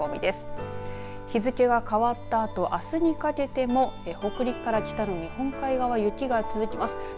日付が変わったあとあすにかけても北陸から北の日本海側雪が続きます。